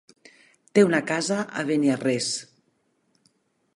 Té una casa a Beniarrés.